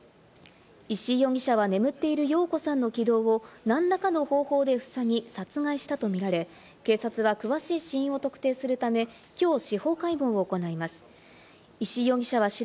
石井容疑者は眠っている庸子さんの気道を何らかの方法でふさぎ、殺害したとみられ、警察は詳しい死因を特定するため、きょう司法解剖を行います。